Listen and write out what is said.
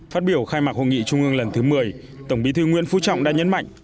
phát biểu khai mạc hội nghị trung ương lần thứ một mươi tổng bí thư nguyễn phú trọng đã nhấn mạnh